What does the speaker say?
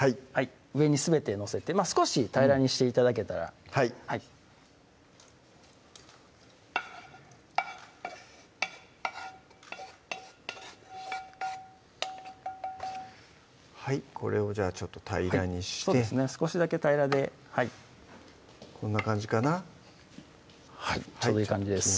上にすべて載せて少し平らにして頂けたらはいはいこれを平らにしてそうですね少しだけ平らでこんな感じかなちょうどいい感じです